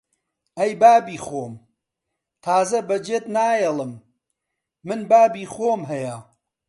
ئەی بابی خۆم! تازە بەجێت نایەڵم! من بابی خۆم هەیە!